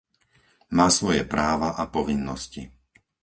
Má svoje práva a povinnosti.